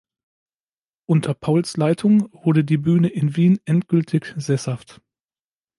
Unter Pauls Leitung wurde die Bühne in Wien endgültig sesshaft.